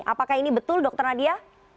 apakah ini betul dokter nadia